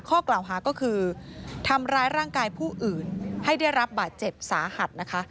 ข้อกล่าวหาก็คือทำร้ายร่างกายผู้อื่นให้ได้รับบาดเจ็บสาหัสนะคะ